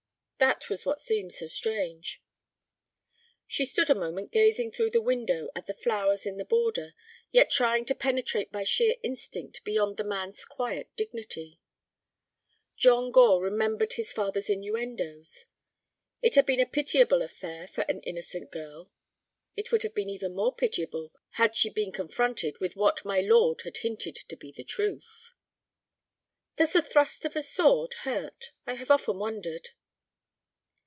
"That was what seemed so strange." She stood a moment gazing through the window at the flowers in the border, yet trying to penetrate by sheer instinct beyond the man's quiet dignity. John Gore remembered his father's innuendos. It had been a pitiable affair for an innocent girl. It would have been even more pitiable had she been confronted with what my lord had hinted to be the truth. "Does the thrust of a sword hurt? I have often wondered."